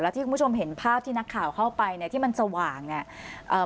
ที่คุณผู้ชมเห็นภาพที่นักข่าวเข้าไปเนี่ยที่มันสว่างเนี่ยเอ่อ